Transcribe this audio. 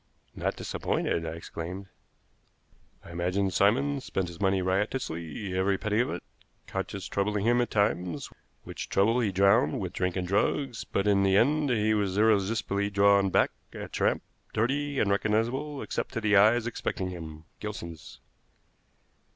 "Not disappointed!" I exclaimed. "I imagine Simon spent his money riotously, every penny of it, conscience troubling him at times, which trouble he drowned with drink and drugs; but in the end he was irresistibly drawn back, a tramp, dirty, unrecognizable, except to the eyes expecting him Gilson's."